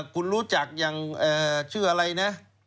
คุณรู้จักอย่างชื่ออะไรนะ